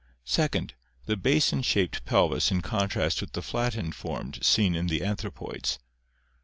Second, the basin skaped pelvis in contrast with the flattened form seen in the anthro poids.